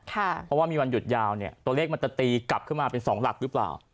เพราะว่ามีวันหยุดยาวเนี่ยตัวเลขมันจะตีกลับขึ้นมาเป็น๒หลักหรือเปล่า